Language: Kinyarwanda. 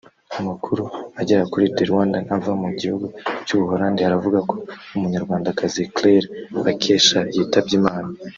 Amakuru agera kuri The Rwandan ava mu gihugu cy’u Buhorandi aravuga ko umunyarwandakazi Claire Bakesha yitabye Imana